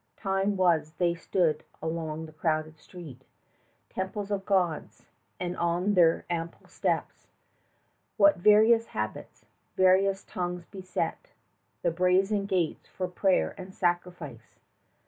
5 Time was they stood along the crowded street, Temples of Gods, and on their ample steps What various habits, various tongues beset The brazen gates for prayer and sacrifice!